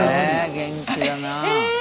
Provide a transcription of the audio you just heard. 元気だなぁ。